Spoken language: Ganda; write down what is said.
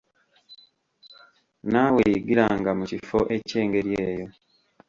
Naawe yigiranga mu kifo eky'engeri eyo.